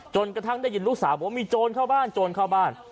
กระทั่งได้ยินลูกสาวบอกว่ามีโจรเข้าบ้านโจรเข้าบ้าน